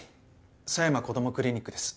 さやま・こどもクリニックです。